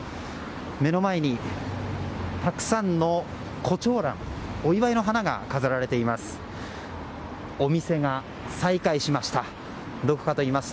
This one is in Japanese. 目の前にたくさんのコチョウランお祝いの花が飾られています。